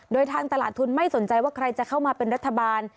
โดยทางตลาดทุนไม่สนใจว่าใครจะเข้ามาเป็นรัฐบาล